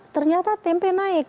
ternyata tempe naik